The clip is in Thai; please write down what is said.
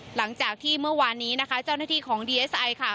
หลังจากที่เมื่อวานนี้นะคะเจ้าหน้าที่ของดีเอสไอค่ะ